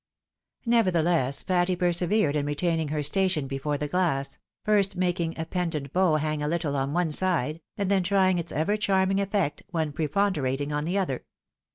Nevertheless Patty persevered in retaining her station before the glass, first making a pendent bow hang a little on one side,' and then trying its ever charming effect when preponderating on the other.